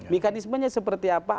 mekanismenya seperti apa